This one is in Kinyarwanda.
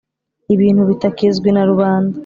ibintu bitakizwi na rubanda.